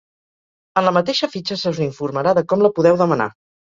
En la mateixa fitxa se us informarà de com la podeu demanar.